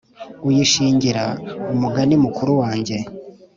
uyishingira umugani mukuru wange